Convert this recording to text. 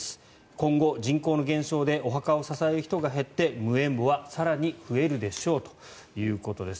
今後、人口の減少でお墓を支える人が減って無縁墓は更に増えるでしょうということです。